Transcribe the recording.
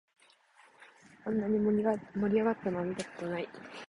あんなに盛り上がったのは見たことない